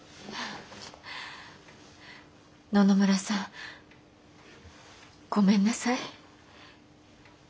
野々村さんごめんなさい。